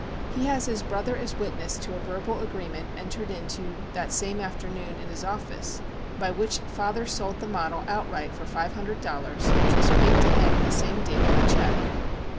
He has his brother as witness to a verbal agreement entered into that same afternoon in his office by which father sold the model outright for five hundred dollars, which was paid to him the same date by check.